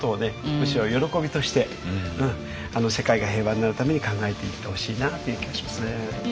むしろ喜びとして世界が平和になるために考えていってほしいなという気がしますね。